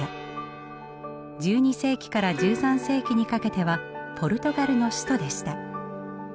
１２世紀から１３世紀にかけてはポルトガルの首都でした。